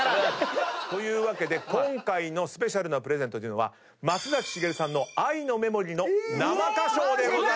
というわけで今回のスペシャルなプレゼントというのは松崎しげるさんの『愛のメモリー』の生歌唱です。